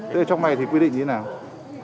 thế trong này thì quyết định như thế nào